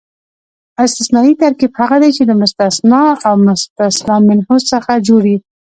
استثنایي ترکیب هغه دئ، چي له مستثنی او مستثنی منه څخه جوړ يي.